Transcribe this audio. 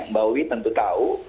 mbak wi tentu tahu